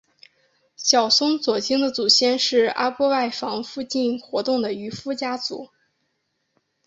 小松左京的祖先是阿波外房附近活动的渔夫家族。